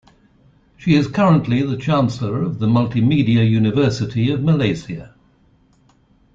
She is currently the chancellor of the Multimedia University of Malaysia.